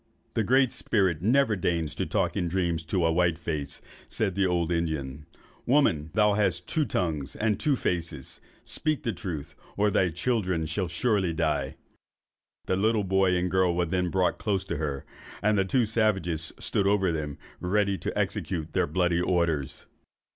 'The Great Spirit never deigns to talk in dreams to a white face,' said the old Indian: 'woman! thou hast two tongues and two faces: speak the truth, or thy children shall surely die.' The little boy and girl were then brought close to her, and the two savages stood over them, ready to execute their bloody orders.